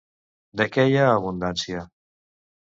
De què hi ha abundància?